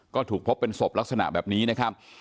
ก็ถูกพบเป็นศพลักษณะแบบนี้นะครับ